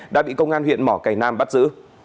đã bị công an huyện mỏ cải nam bắt giữ